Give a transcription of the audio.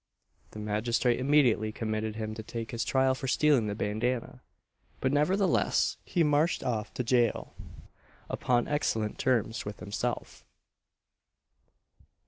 The magistrate immediately committed him to take his trial for stealing the bandanna; but nevertheless he marched off to gaol upon excellent terms with himself.